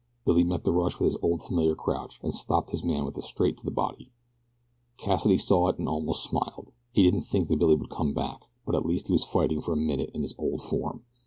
Billy met the rush with his old familiar crouch, and stopped his man with a straight to the body. Cassidy saw it and almost smiled. He didn't think that Billy could come back but at least he was fighting for a minute in his old form.